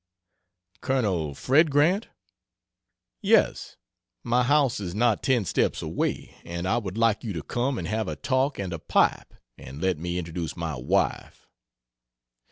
"Col. Fred Grant?" "Yes. My house is not ten steps away, and I would like you to come and have a talk and a pipe, and let me introduce my wife."